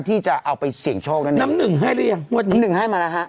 ที่จะเอาไปเสี่ยงโชคด้านหนึ่งน้ำหนึ่งให้เรียงน้ำหนึ่งให้มาแล้วฮะ